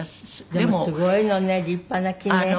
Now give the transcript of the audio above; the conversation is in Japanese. でもすごいのね立派な木ね。